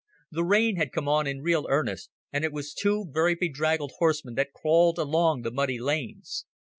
The rain had come on in real earnest, and it was two very bedraggled horsemen that crawled along the muddy lanes.